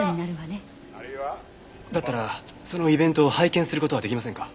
だったらそのイベントを拝見する事はできませんか？